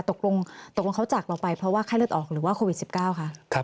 ตกลงตกลงเขาจากเราไปเพราะว่าไข้เลือดออกหรือว่าโควิด๑๙คะ